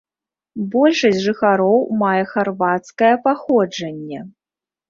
Большасць жыхароў мае харвацкае паходжанне.